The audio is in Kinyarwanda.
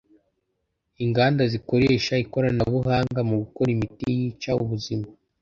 inganda zikoresha ikoranabuhanga mu gukora imiti yica ubuzima